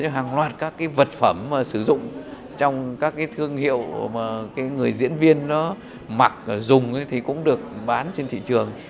hàng loạt các vật phẩm sử dụng trong các thương hiệu người diễn viên mặc dùng cũng được bán trên thị trường